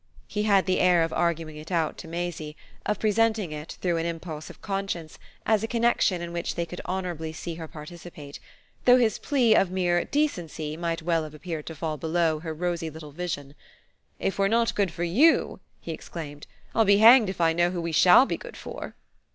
He had the air of arguing it out to Maisie, of presenting it, through an impulse of conscience, as a connexion in which they could honourably see her participate; though his plea of mere "decency" might well have appeared to fall below her rosy little vision. "If we're not good for YOU" he exclaimed, "I'll be hanged if I know who we shall be good for!"